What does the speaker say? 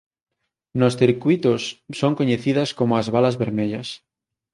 Nos circuítos son coñecidas como as balas vermellas.